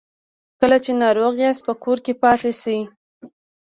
کله چې ناروغ یاست په کور کې پاتې سئ